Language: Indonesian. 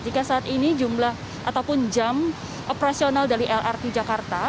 jika saat ini jumlah ataupun jam operasional dari lrt jakarta